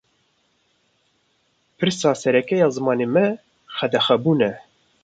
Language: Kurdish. Pirsa sereke ya zimanê me, qedexebûn e